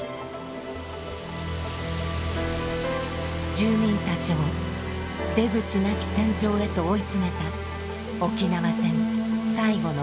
住民たちを出口なき戦場へと追い詰めた沖縄戦最後の１か月。